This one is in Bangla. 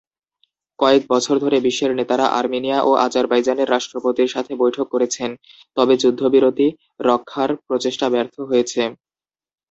কয়েক বছর ধরে বিশ্ব নেতারা আর্মেনিয়া ও আজারবাইজানের রাষ্ট্রপতির সাথে বৈঠক করেছেন, তবে যুদ্ধবিরতি রক্ষার প্রচেষ্টা ব্যর্থ হয়েছে।